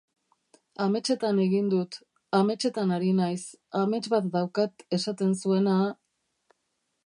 Ametsetan egin dut, ametsetan ari naiz, amets bat daukat esaten zuena...